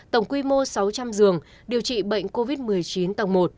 tổng quy mô sáu trăm linh giường điều trị bệnh covid một mươi chín tầng một